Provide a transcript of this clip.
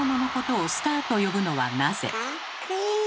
かっこいい！